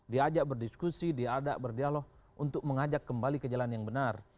diajak berdiskusi diajak berdialog untuk mengajak kembali ke jalan yang benar